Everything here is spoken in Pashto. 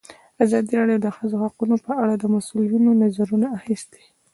ازادي راډیو د د ښځو حقونه په اړه د مسؤلینو نظرونه اخیستي.